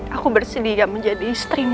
aku bersedia menjadi istrimu